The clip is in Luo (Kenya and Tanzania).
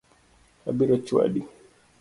Abiro chwadi